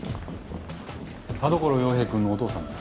田所陽平くんのお父さんです。